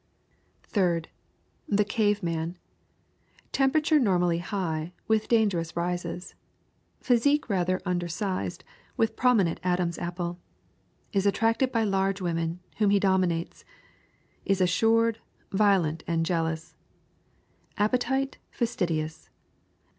Third. The cave man. Temperature normally high, with dangerous rises. Physique rather under sized, with prominent Adam's apple. Is attracted by large women, whom he dominates. Is assured, violent and jealous. Appetite fastidious.